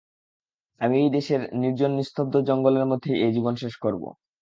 "আমি এই দেশের নির্জন নিস্তব্ধ জঙ্গলের মধ্যেই এ জীবন শেষ করব।